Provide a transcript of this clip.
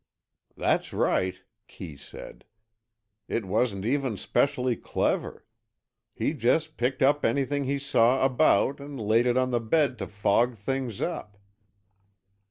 "That's right," Kee said. "It wasn't even specially clever. He just picked up anything he saw about and laid it on the bed to fog things up.